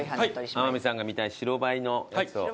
天海さんが見たい白バイのやつを。